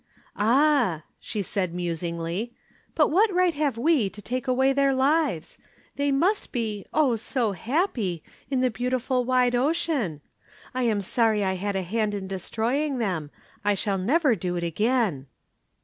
"Ah!" she said musingly. "But what right have we to take away their lives? They must be oh so happy! in the beautiful wide ocean! I am sorry I had a hand in destroying them. I shall never do it again."